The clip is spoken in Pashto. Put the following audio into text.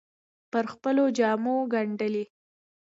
پر خپلو جامو ګنډلې